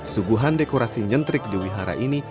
suguhan dekorasi nyentrik di wihara ini